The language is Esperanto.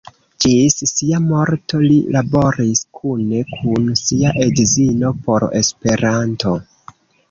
Ĝis sia morto li laboris kune kun sia edzino por Esperanto.